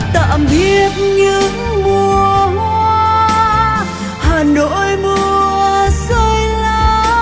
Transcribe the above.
tạm biệt những mùa hoa hà nội mùa rơi lá